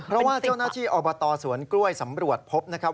เพราะว่าเจ้าหน้าที่อบตสวนกล้วยสำรวจพบนะครับ